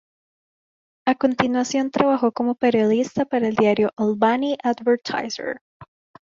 A continuación trabajó como periodista para el diario "Albany Advertiser".